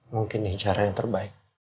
mungkin nih cara yang terbaik